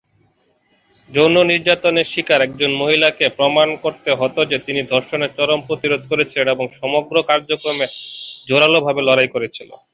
যৌন নির্যাতনের শিকার একজন মহিলাকে প্রমাণ করতে হত যে তিনি ধর্ষণের চরম প্রতিরোধ করেছিলেন এবং সমগ্র কার্যক্রমে জোরালোভাবে লড়াই করেছিলেন।